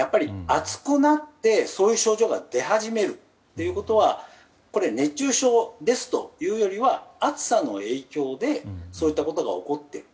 暑くなって、そういう症状が出始めるということはこれ、熱中症ですというよりは暑さの影響でそういったことが起こっている。